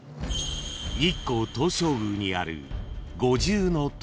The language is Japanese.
［日光東照宮にある］